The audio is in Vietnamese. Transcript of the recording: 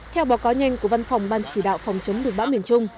theo báo cáo nhanh của văn phòng ban chỉ đạo phòng chống được bão miền trung